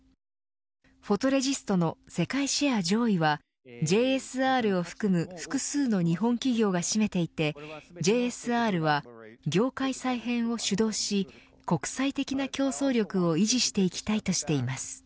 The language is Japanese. フォトレジストの世界シェア上位はＪＳＲを含む複数の日本企業が占めていてＪＳＲは業界再編を主導し国際的な競争力を維持していきたいとしています。